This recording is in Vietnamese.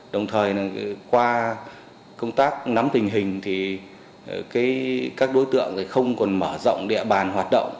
đồng thời qua công tác nắm tình hình thì các đối tượng không còn mở rộng địa bàn hoạt động